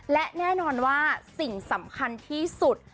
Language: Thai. และแน่นอนว่าสิ่งสำคัญที่สุด